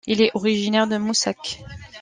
Il est originaire de Moussac.